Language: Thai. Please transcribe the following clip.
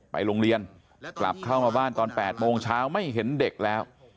ไปโรงเรียนกลับเข้ามาบ้านตอน๘โมงเช้าไม่เห็นเด็กแล้ว